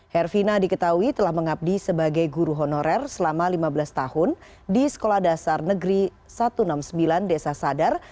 herfina diketahui telah mengabdi sebagai guru honorer selama lima belas tahun di sekolah dasar negeri satu ratus enam puluh sembilan desa sadar